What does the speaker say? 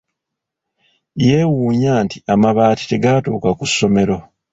Yeewuunya nti amabaati tegaatuuka ku ssomero.